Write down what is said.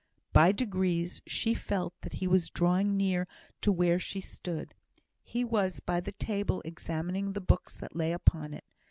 By degrees she felt that he was drawing near to where she stood. He was by the table examining the books that lay upon it.